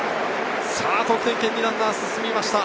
得点圏にランナーが進みました。